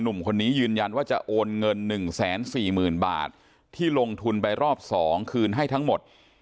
หนุ่มคนนี้ยืนยันว่าจะโอนเงิน๑๔๐๐๐บาทที่ลงทุนไปรอบ๒คืนให้ทั้งหมด